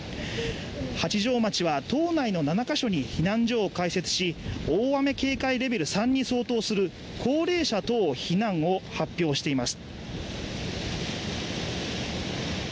八丈町は島内の７ヶ所に避難所を開設し、大雨警戒レベル３に相当する高齢者等避難を発表しています。